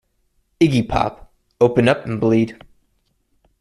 Iggy Pop: Open up and bleed.